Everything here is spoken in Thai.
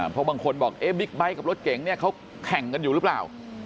เพราะบางคนบอกบิ๊กไบท์กับรถเก๋งเนี่ยเขาแข่งกันอยู่หรือเปล่า